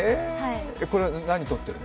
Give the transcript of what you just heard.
これ、何撮ってるの？